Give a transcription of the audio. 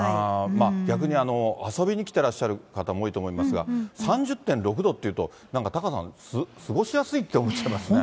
逆に遊びに来てらっしゃる方も多いと思いますが、３０．６度というと、なんかタカさん、過ごしやすいって思っちゃいますね。